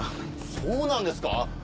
そうなんですか？